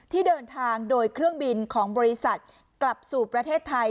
ที่เดินทางโดยเครื่องบินของบริษัทกลับสู่ประเทศไทย